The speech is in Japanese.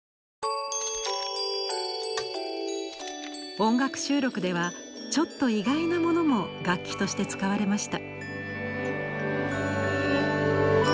音楽収録ではちょっと意外なものも楽器として使われました。